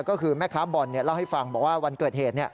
ก็คือแม่ค้าบอลเล่าให้ฟังบอกว่าวันเกิดเหตุ